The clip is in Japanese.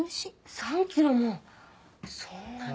３ｋｇもそんなに。